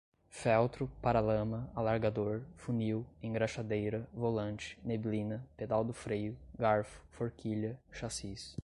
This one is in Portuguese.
feltro, para-lama, alargador, funil, engraxadeira, volante, neblina, pedal do freio, garfo, forquilha, chassis